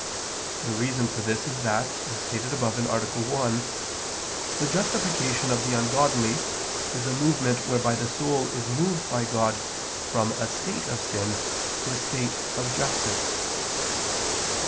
The reason for this is that, as stated above (A. 1), the justification of the ungodly is a movement whereby the soul is moved by God from a state of sin to a state of justice.